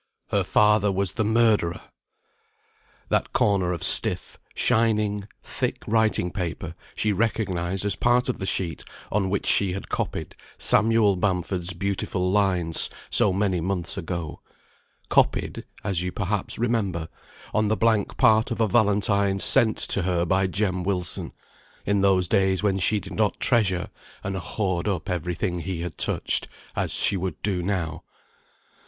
Her father was the murderer! That corner of stiff, shining, thick writing paper, she recognised as part of the sheet on which she had copied Samuel Bamford's beautiful lines so many months ago copied (as you perhaps remember) on the blank part of a valentine sent to her by Jem Wilson, in those days when she did not treasure and hoard up every thing he had touched, as she would do now.